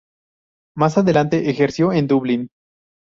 Más adelante ejerció en Dublín.